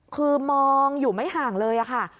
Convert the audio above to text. คือมองอยู่ไม่ห่างเลยค่ะ